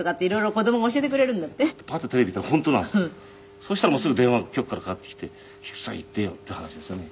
そしたらもうすぐ電話が局からかかってきて“菊さん行ってよ”っていう話ですよね」